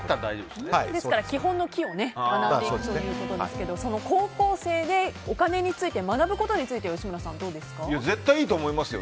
ですから、基本の「き」を学んでいくということですが高校生でお金について学ぶことについて絶対いいと思いますよ。